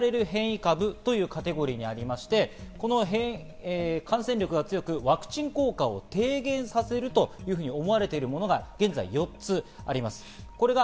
そうですね、今４つが懸念される変異株というカテゴリーにありまして、感染力が強くワクチン効果を低減させると思われているものが現在４つあります。